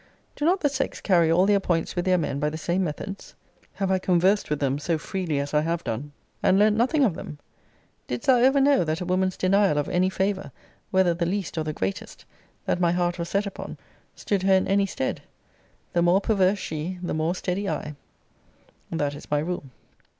Do not the sex carry all their points with their men by the same methods? Have I conversed with them so freely as I have done, and learnt nothing of them? Didst thou ever know that a woman's denial of any favour, whether the least or the greatest, that my heart was set upon, stood her in any stead? The more perverse she, the more steady I that is my rule.